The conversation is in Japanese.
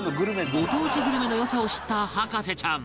ご当地グルメの良さを知った博士ちゃん